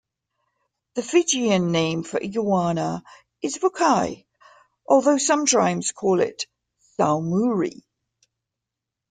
The Fijian name for iguana is "vokai", although some tribes call it "saumuri".